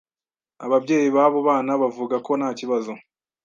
Ababyeyi b’abo bana bavuga ko ntakibazo